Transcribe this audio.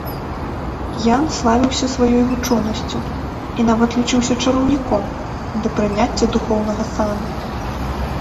Ян славіўся сваёй вучонасцю, і нават лічыўся чараўніком, да прыняцця духоўнага сану.